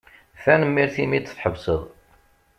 Tanemmirt imi d-tḥebseḍ.